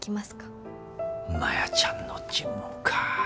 マヤちゃんの尋問か。